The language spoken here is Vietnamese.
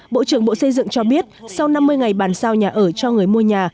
bộ trưởng bộ xây dựng cho biết sau năm mươi ngày bàn sao nhà ở cho người mua nhà